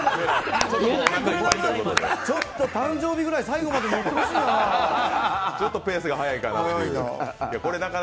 ちょっと誕生日ぐらい最後までいってほしいな。